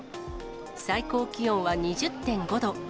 最高気温は２０．５度。